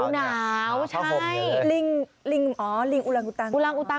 เขาหนาวใช่ลิงอุรังอุตัง